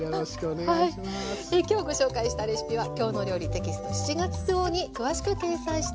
今日ご紹介したレシピは「きょうの料理」テキスト７月号に詳しく掲載しています。